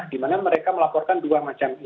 dimana mereka melaporkan dua macam individu pasien